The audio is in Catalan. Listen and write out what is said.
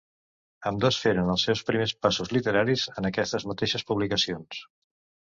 Ambdós feren els seus primers passos literaris en aquestes mateixes publicacions.